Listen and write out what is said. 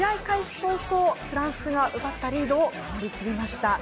早々、フランスが奪ったリードを守りきりました。